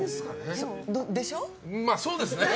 まあ、そうですね。